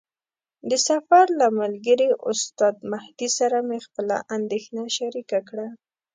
د سفر له ملګري استاد مهدي سره مې خپله اندېښنه شریکه کړه.